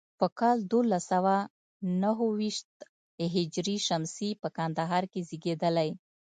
په کال دولس سوه نهو ویشت هجري شمسي په کندهار کې زیږېدلی.